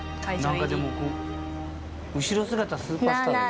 何かでも後ろ姿スーパースターだよ。